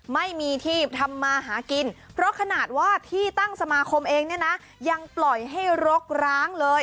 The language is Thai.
ไม่มีที่ทำมาหากินเพราะขนาดว่าที่ตั้งสมาคมเองเนี่ยนะยังปล่อยให้รกร้างเลย